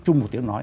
chung một tiếng nói